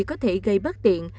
có thể gây bất tiện